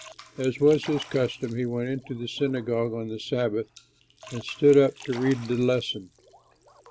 As was his custom, he went into the synagogue on the Sabbath, and stood up to read the lesson.